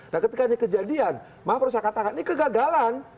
nah ketika ini kejadian maaf perlu saya katakan ini kegagalan